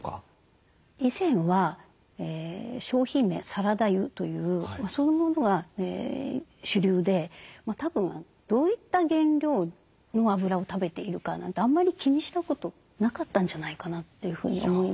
以前は商品名「サラダ油」というそういうものが主流でたぶんどういった原料のあぶらを食べているかなんてあんまり気にしたことなかったんじゃないかなというふうに思います。